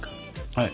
はい。